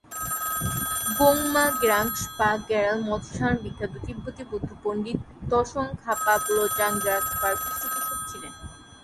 গোং-মা-গ্রাগ্স-পা-র্গ্যাল-ম্ত্শান বিখ্যাত তিব্বতী বৌদ্ধ পণ্ডিত ত্সোং-খা-পা-ব্লো-ব্জাং-গ্রাগ্স-পার পৃষ্ঠপোষক ছিলেন।